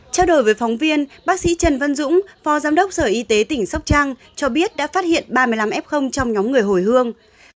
trao đổi với phóng viên bác sĩ trần văn dũng phó giám đốc sở y tế tỉnh sóc trăng cho biết đã phát hiện ba mươi năm f trong nhóm người hồi hương